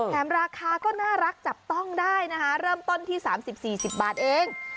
ราคาก็น่ารักจับต้องได้นะคะเริ่มต้นที่๓๐๔๐บาทเอง